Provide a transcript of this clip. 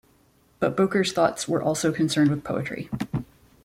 But Boker's thoughts were also concerned with poetry.